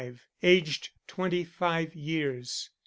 Aged twenty five years.